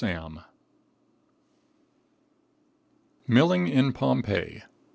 ] Milling in Pompeii.